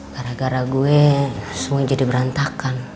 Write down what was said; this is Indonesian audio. gara gara gue semuanya jadi berantakan